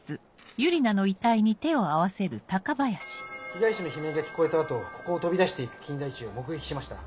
被害者の悲鳴が聞こえた後ここを飛び出して行く金田一を目撃しました。